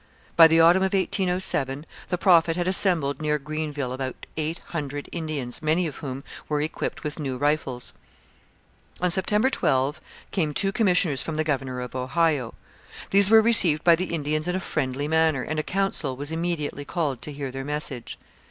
By the autumn of 1807 the Prophet had assembled near Greenville about eight hundred Indians, many of whom were equipped with new rifles. On September 12 came two commissioners from the governor of Ohio. These were received by the Indians in a friendly manner, and a council was immediately called to hear their message.